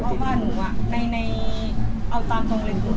ถ้าว่าหนูอ่ะในเอาตามตรงเรียนพูดอ่ะ